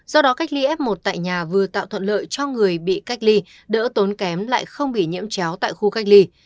do đó cách ly f một tại nhà vừa tạo thuận lợi cho người bị cách ly đỡ tốn kém lại không bị nhiễm chéo tại khu cách ly